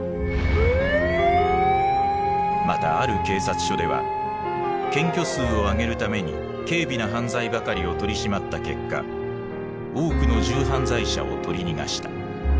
またある警察署では検挙数を上げるために軽微な犯罪ばかりを取り締まった結果多くの重犯罪者を取り逃がした。